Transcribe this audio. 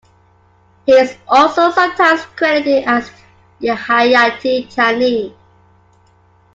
He is also sometimes credited as Hayati Tani.